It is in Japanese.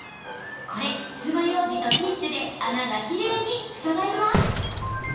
つまようじとティッシュで穴がきれいに塞がります。